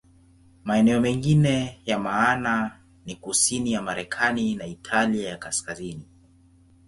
Maeneo mengine ya maana ni kusini ya Marekani na Italia ya Kaskazini.